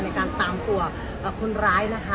ในการตามตัวคนร้ายนะคะ